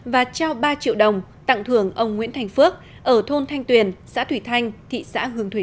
và trao ba triệu đồng tặng thưởng ông nguyễn thành phước ở thôn thanh tuyền xã thủy thanh thị xã hương thủy